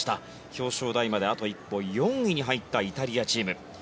表彰台まであと１歩４位に入ったイタリアチーム。